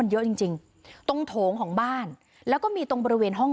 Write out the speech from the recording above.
เยอะจริงจริงตรงโถงของบ้านแล้วก็มีตรงบริเวณห้อง